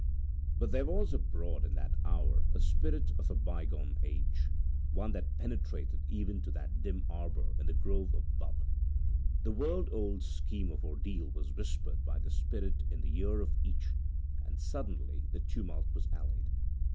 But there was abroad in that hour a spirit of a bygone age one that penetrated even to that dim arbour in the grove of Bubb. The world old scheme of ordeal was whispered by the spirit in the ear of each, and suddenly the tumult was allayed.